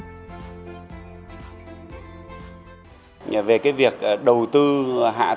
về việc đầu tư hạ tầng cơ sở sản xuất về cây xanh về năng lượng tái tạo về các công nghệ thiết bị